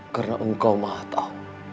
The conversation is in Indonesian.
karena engkau mahatau